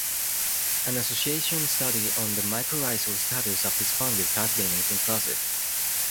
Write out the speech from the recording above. An association study on the mycorrhizal status of this fungus has been inconclusive.